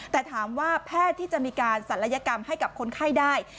แต่ถามว่าแพทย์ที่จะมีการศัลยกรรมให้กับคนไข้ได้